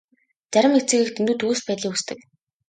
Зарим эцэг эх дэндүү төгс байдлыг хүсдэг.